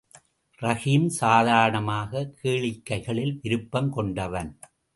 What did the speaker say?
ரஹீம் சாதாரணமாக கேளிக்கைகளில் விருப்பங் கொண்டவன்.